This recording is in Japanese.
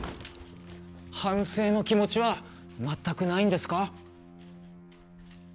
反省の気持ちは全くないんですか？